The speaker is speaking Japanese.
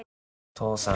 父さん